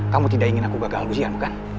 kamu tidak ingin aku gagal guzian bukan